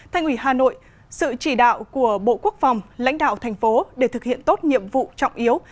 thành ủy hà nội sự chỉ đạo của bộ quốc phòng lãnh đạo thành phố để thực hiện tốt nhiệm vụ trọng yếu